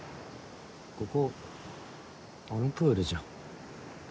ここあのプールじゃん。